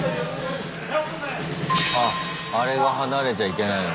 ああれが離れちゃいけないの。